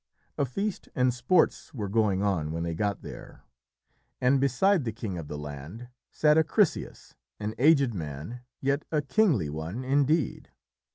A feast and sports were going on when they got there, and beside the king of the land sat Acrisius, an aged man, yet a kingly one indeed.